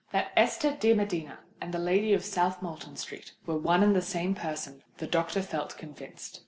That Esther de Medina and the lady of South Moulton Street were one and the same person, the doctor felt convinced.